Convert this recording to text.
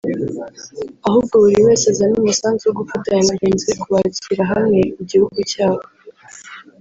ahubwo buri wese azane umusanzu wo gufatanya na bagenzi be kubakira hamwe igihugu cyabo